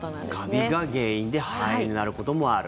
カビが原因で肺炎になることもある。